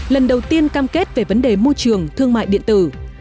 lần đầu tiên cam kết về vấn đề môi trường thương mại điện tử